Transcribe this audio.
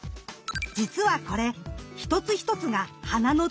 じつはこれ一つ一つが花のつぼみ。